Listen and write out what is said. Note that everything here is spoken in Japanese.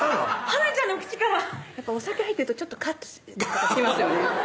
ハナちゃんの口からやっぱお酒入ってるとちょっとカッとしますよね